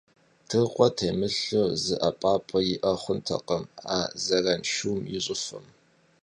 Дыркъуэ темылъу зы ӀэпапӀэ иӀэ хъунтэкъым а зэраншум и щӀыфэм.